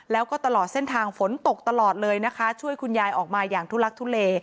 แล้วก็ตลอดเส้นทางฝนตกตลอดเลยนะคะช่วยคุณยายออกมาอย่างทุลักทุเล